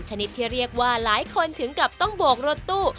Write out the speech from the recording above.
เหมือนกับต้องโบกรถตู้